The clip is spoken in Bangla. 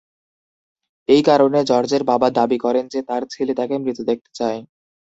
এই কারণে, জর্জের বাবা দাবি করেন যে তার ছেলে তাকে মৃত দেখতে চায়।